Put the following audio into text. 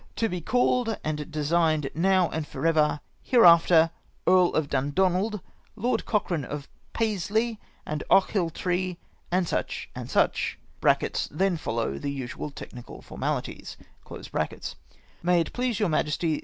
to be called and designed now and for ever hereafter Earl of Dundonald, Lord Cochrane of Paisley and Ochiltree, &c. &c. (Then follow the usual technical formalities.) " Mat it please tour Majestt.